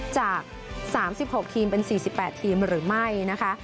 จาก๓๖ทีมเป็น๔๘ทีมหรือไม่นะคะ